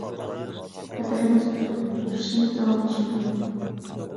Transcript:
سەپىرىمىز ئۇزۇن، كۈرىشىمىز داۋاملىشىدۇ.